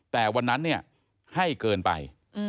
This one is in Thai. แต่วันนั้นให้เกินไป